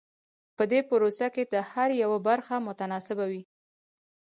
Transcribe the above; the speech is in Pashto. په دې پروسه کې د هر یوه برخه متناسبه وي.